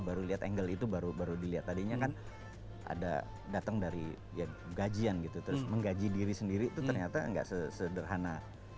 baru liat angle itu baru diliat tadinya kan ada dateng dari ya gajian gitu terus menggaji diri sendiri itu ternyata ngga sederhana